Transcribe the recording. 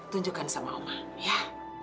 tunjukkan sama oma ya